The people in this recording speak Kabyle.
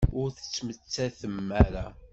Ur tettmettatem ara.